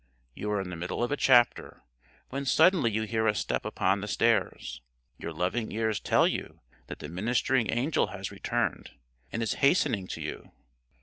You are in the middle of a chapter, when suddenly you hear a step upon the stairs. Your loving ears tell you that the ministering angel has returned, and is hastening to you.